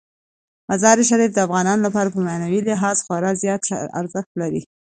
مزارشریف د افغانانو لپاره په معنوي لحاظ خورا زیات ارزښت لري.